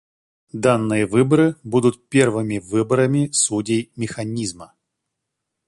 Данные выборы будут первыми выборами судей Механизма.